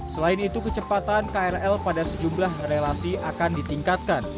selain itu kecepatan krl pada sejumlah relasi akan ditingkatkan